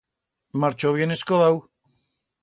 Marchó bien escodau!